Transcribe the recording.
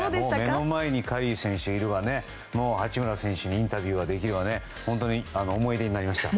目の前にカリー選手がいるわ八村選手にインタビューはできるわ思い出に残りました。